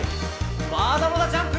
まだまだジャンプ！